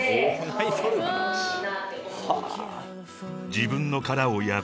［自分の殻を破れ］